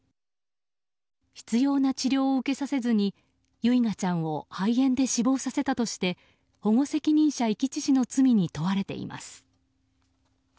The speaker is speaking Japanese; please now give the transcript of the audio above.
必要な治療を受けさせずに唯雅ちゃんを肺炎で死亡させたとして保護責任者遺棄致死の罪に問われています。